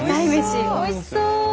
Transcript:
おいしそう。